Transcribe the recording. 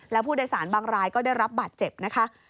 แล้วผู้โดยสารบางรายก็ได้รับบาดเจ็บนะคะ